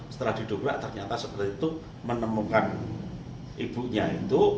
setelah diduga ternyata seperti itu menemukan ibunya itu